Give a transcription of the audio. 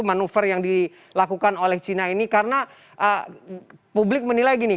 manuver yang dilakukan oleh china ini karena publik menilai gini